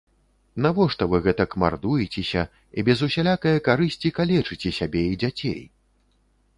Навошта вы гэтак мардуецеся і без усялякае карысці калечыце сябе і дзяцей?